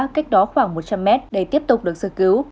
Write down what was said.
cách đó khoảng một trăm linh mét để tiếp tục được sơ cứu